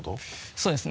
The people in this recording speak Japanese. そうですね。